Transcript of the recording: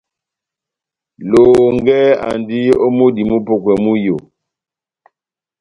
Lohongɛ andi ó múdi mupɔ́kwɛ mú iyó.